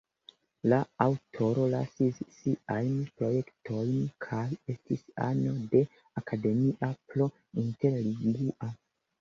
La aŭtoro lasis siajn projektojn kaj estis ano de Academia pro Interlingua.